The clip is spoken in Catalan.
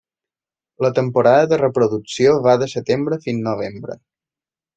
La temporada de reproducció va de setembre fins novembre.